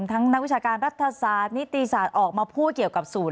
นักวิชาการรัฐศาสตร์นิติศาสตร์ออกมาพูดเกี่ยวกับศูนย